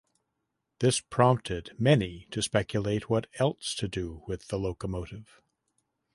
This prompted many to speculate what else to do with the locomotive.